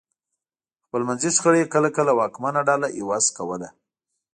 خپلمنځي شخړې کله کله واکمنه ډله عوض کوله